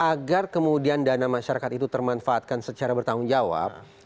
agar kemudian dana masyarakat itu termanfaatkan secara bertanggung jawab